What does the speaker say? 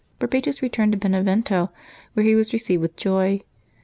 Barbatus returned to Benevento, where he was received with Joy.